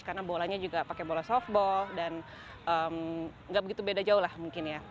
karena bolanya juga pakai bola softball dan nggak begitu beda jauh lah mungkin ya